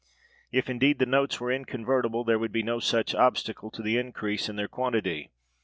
If, indeed, the notes were inconvertible, there would be no such obstacle to the increase in their quantity.